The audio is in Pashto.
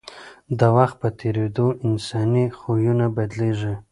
د وخت په تېرېدو انساني خویونه بدلېږي.